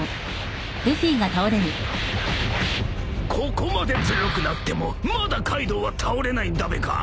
［ここまで強くなってもまだカイドウは倒れないんだべか！］